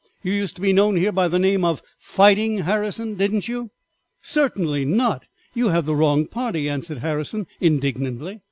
You used to be known here by the name of 'Fighting Harrison,' didn't you?" "Certainly not, you have the wrong party," answered Harrison indignantly.